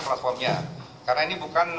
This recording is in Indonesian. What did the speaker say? platformnya karena ini bukan